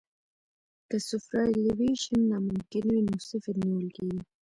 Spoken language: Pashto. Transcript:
که سوپرایلیویشن ناممکن وي نو صفر نیول کیږي